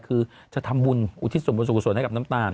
คือจะทำบุญอูทิสบทศุกร์ส่วนให้กับน้ำตาล